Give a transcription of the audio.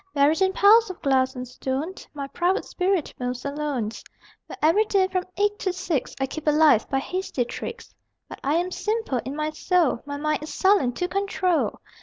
Buried in piles of glass and stone My private spirit moves alone, Where every day from eight to six I keep alive by hasty tricks. But I am simple in my soul; My mind is sullen to control.